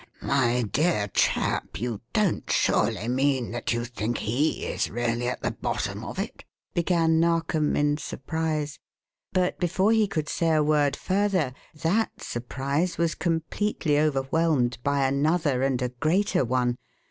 "My dear chap, you don't surely mean that you think he is really at the bottom of it?" began Narkom, in surprise; but before he could say a word further, that surprise was completely overwhelmed by another and a greater one.